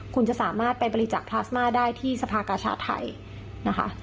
คุณจะสามารถไปบริจาคพลาสมาได้ที่สภากาชาติไทยนะคะ